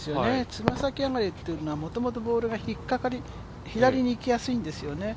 つま先上がりっていうのはもともとボールが左に行きやすいんですよね。